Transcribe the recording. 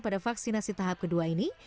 pada vaksinasi tahap kedua ini